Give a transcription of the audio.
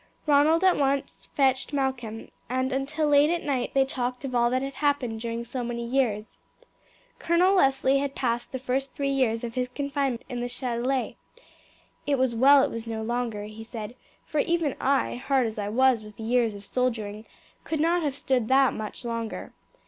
Ronald at once fetched Malcolm, and until late at night they talked of all that had happened during so many years. Colonel Leslie had passed the first three years of his confinement in the Chatelet. "It was well it was no longer," he said; "for even I, hard as I was with years of soldiering, could not have stood that much longer.